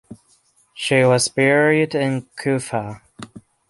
She was buried in Kufa.